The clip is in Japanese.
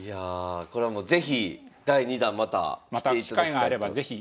これはもう是非第２弾また来ていただきたいと。